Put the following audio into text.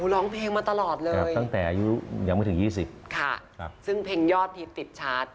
ร้องเพลงมาตลอดเลยตั้งแต่อายุยังไม่ถึง๒๐ค่ะซึ่งเพลงยอดฮิตติดชาร์จ